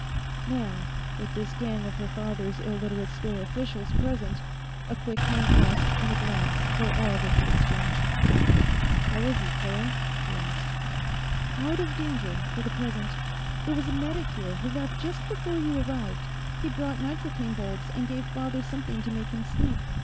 Now, with this gang of her father's Illiterate store officials present, a quick handclasp and a glance were all they could exchange. "How is he, Claire?" he asked. "Out of danger, for the present. There was a medic here, who left just before you arrived. He brought nitrocaine bulbs, and gave father something to make him sleep.